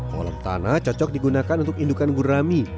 kolam tanah cocok digunakan untuk indukan gurami